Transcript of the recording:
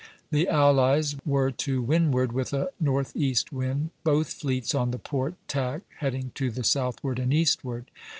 The allies were to windward with a northeast wind, both fleets on the port tack heading to the southward and eastward.